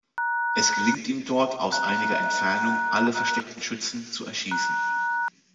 Es gelingt ihm dort aus einiger Entfernung, alle versteckten Schützen zu erschießen.